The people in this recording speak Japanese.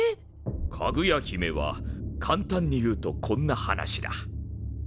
「かぐや姫」は簡単に言うとこんな話だ。